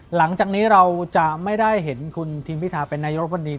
หลังจากนี้เราจะไม่ได้เห็นคุณทีมพิธาเป็นนายรบบนดี